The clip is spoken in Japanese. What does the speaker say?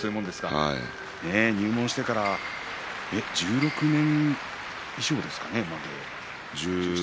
入門してから１６年以上ですかね。